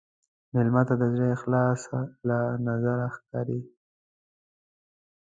مېلمه ته د زړه اخلاص له نظره ښکاري.